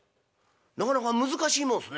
「なかなか難しいもんすね」。